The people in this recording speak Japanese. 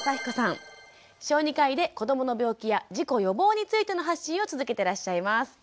小児科医で子どもの病気や事故予防についての発信を続けてらっしゃいます。